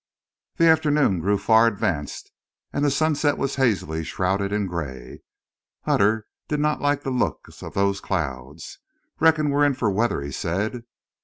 The afternoon grew far advanced and the sunset was hazily shrouded in gray. Hutter did not like the looks of those clouds. "Reckon we're in for weather," he said.